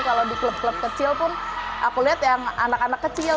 kalau di klub klub kecil pun aku lihat yang anak anak kecil